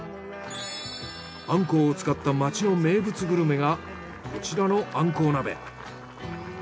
アンコウを使った町の名物グルメがこちらのアンコウ鍋。